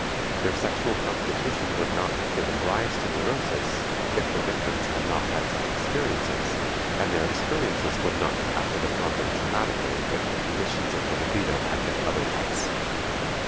Their sexual constitution would not have given rise to neurosis if the victims had not had such experiences, and their experiences would not have acted upon them traumatically if the conditions of the libido had been otherwise.